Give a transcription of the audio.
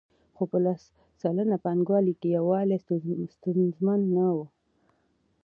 خو په لس سلنه پانګوالو کې یووالی ستونزمن نه وو